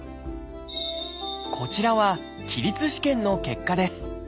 こちらは起立試験の結果です。